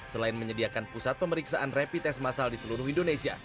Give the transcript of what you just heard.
selain menyediakan pusat pemeriksaan rapid test masal di seluruh indonesia